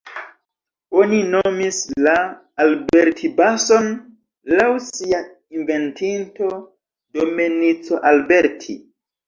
Oni nomis la Alberti-bason laŭ sia inventinto Domenico Alberti.